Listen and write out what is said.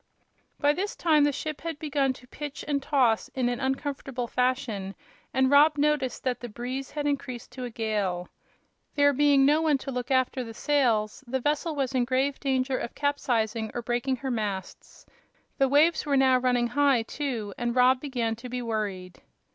By this time the ship had begun to pitch and toss in an uncomfortable fashion, and Rob noticed that the breeze had increased to a gale. There being no one to look after the sails, the vessel was in grave danger of capsizing or breaking her masts. The waves were now running high, too, and Rob began to be worried.